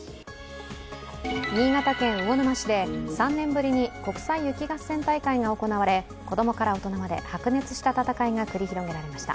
新潟県魚沼市で３年ぶりに国際雪合戦大会が行われ子供から大人まで白熱した戦いが繰り広げられました。